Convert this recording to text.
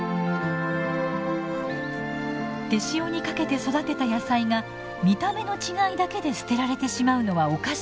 手塩にかけて育てた野菜が見た目の違いだけで捨てられてしまうのはおかしい。